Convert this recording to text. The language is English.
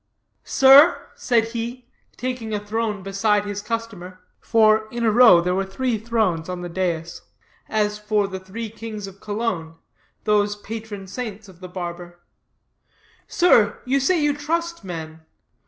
"Sir," said he, taking a throne beside his customer (for in a row there were three thrones on the dais, as for the three kings of Cologne, those patron saints of the barber), "sir, you say you trust men.